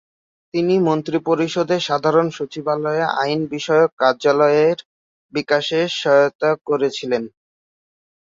তিনি মন্ত্রিপরিষদের সাধারণ সচিবালয়ে আইন বিষয়ক কার্যালয়ের বিকাশে সহায়তা করেছিলেন।